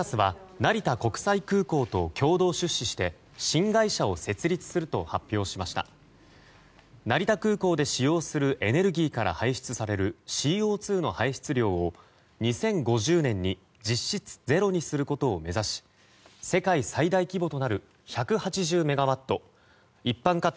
成田空港で使用するエネルギーから排出されるＣＯ２の排出量を２０５０年に実質ゼロにすることを目指し世界最大規模となる１８０メガワット一般家庭